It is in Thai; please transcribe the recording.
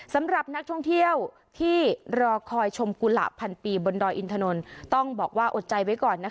สำหรับนักท่องเที่ยวที่รอคอยชมกุหลาบพันปีบนดอยอินถนนต้องบอกว่าอดใจไว้ก่อนนะคะ